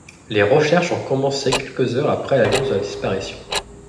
Les recherches ont commencé quelques heures après l'annonce de la disparition.